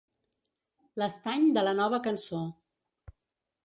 L'estany de la Nova Cançó.